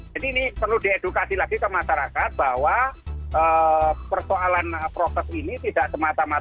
jadi ini perlu diedukasi lagi ke masyarakat bahwa persoalan protokol ini tidak semata mata